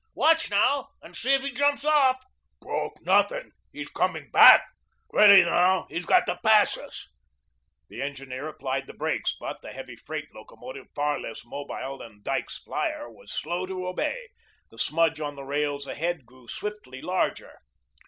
Watch, now, and see if he jumps off." "Broke NOTHING. HE'S COMING BACK. Ready, now, he's got to pass us." The engineer applied the brakes, but the heavy freight locomotive, far less mobile than Dyke's flyer, was slow to obey. The smudge on the rails ahead grew swiftly larger.